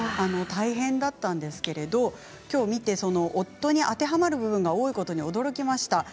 大変だったんですがきょう見て夫に当てはまる部分が多いことに驚きました。